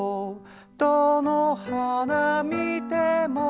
「どのはなみても」